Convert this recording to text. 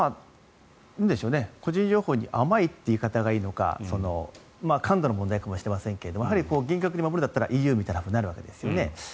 個人情報に甘いという言い方がいいのか感度の問題かもしれませんが厳格に守るならＥＵみたいになるわけですよね。